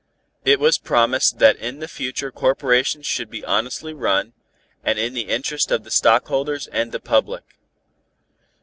It was promised that in the future corporations should be honestly run, and in the interest of the stockholders and the public.